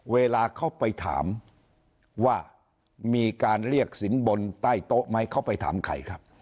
เวลาเขาไปถามว่ามีการเรียกสินบนใต้โต๊ะไหมเขาไปถามใครครับ